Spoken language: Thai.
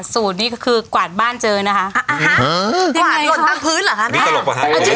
สูตรนี้ก็คือกวาดบ้านเจอนะคะกวาดหล่นตามพื้นเหรอคะ